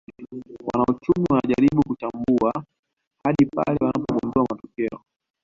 Wanauchumi hujaribu kuchambua hadi pale wanagundua matokeo